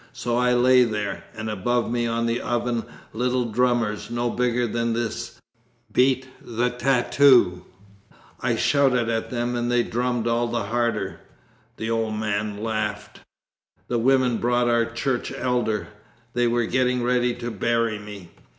So I lay there, and above me on the oven little drummers, no bigger than this, beat the tattoo. I shout at them and they drum all the harder.' (The old man laughed.) 'The women brought our church elder. They were getting ready to bury me.